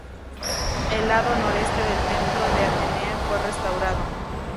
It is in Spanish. El lado noreste del templo de Atenea fue restaurado.